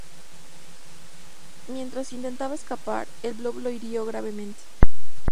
Mientras intentaba escapar, el Blob lo hirió gravemente.